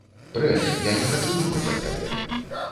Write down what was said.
Прэч, я не хачу думаць аб табе!